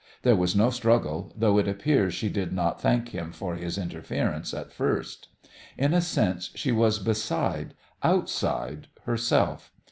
There was no struggle, though it appears she did not thank him for his interference at first. In a sense she was beside outside herself.